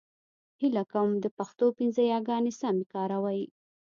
هيله کوم د پښتو پنځه يېګانې سمې کاروئ !